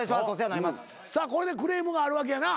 さあこれでクレームがあるわけやな。